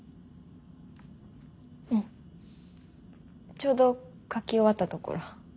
ちょうど書き終わったところ。